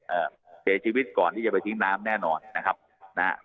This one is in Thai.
เอ่อเสียชีวิตก่อนที่จะไปทิ้งน้ำแน่นอนนะครับนะฮะ